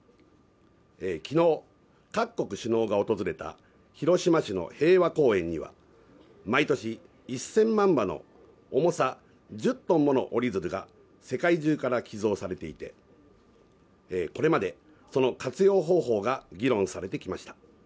昨日、各国首脳が訪れた広島市の平和記念公園には毎年１０００万羽根の重さ１０ｔもの折り鶴が世界中から寄贈されていて、これまでその活用方法が議論されてきました。